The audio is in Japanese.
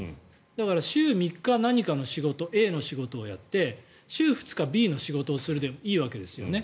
だから週３日、何かの仕事Ａの仕事をやって週２日、Ｂの仕事をするでいいわけですよね。